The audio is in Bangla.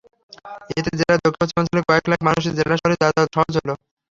এতে জেলার দক্ষিণ-পশ্চিমাঞ্চলের কয়েক লাখ মানুষের জেলা শহরে যাতায়াত সহজ হলো।